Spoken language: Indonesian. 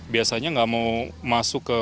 biasanya gak mau masuk ke kursus ini